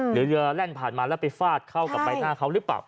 เรือแล่นผ่านมาแล้วไปฟาดเข้ากับใบหน้าเขาหรือเปล่า